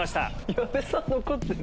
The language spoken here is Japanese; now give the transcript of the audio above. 矢部さん残ってる！